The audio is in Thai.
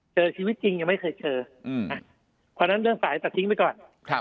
เจอชีวิตจริงยังไม่เคยเจอเพราะฉะนั้นเรื่องสายตัดทิ้งไปก่อน